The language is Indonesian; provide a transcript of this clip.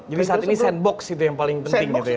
jadi saat ini sandbox itu yang paling penting gitu ya